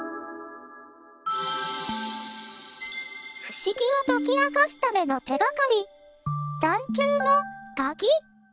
不思議を解き明かすための手がかり